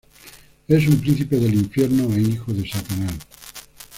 Es un príncipe del Infierno e hijo de Satanás.